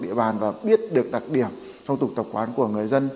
địa bàn và biết được đặc điểm phong tục tập quán của người dân